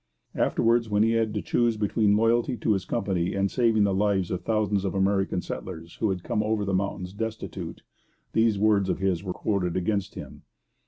Afterwards, when he had to choose between loyalty to his company and saving the lives of thousands of American settlers who had come over the mountains destitute, these words of his were quoted against him.